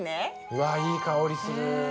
わいい香りする。